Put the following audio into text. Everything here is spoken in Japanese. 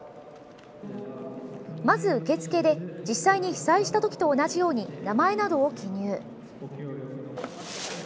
まず受付で、実際に被災した時と同じように名前などを記入。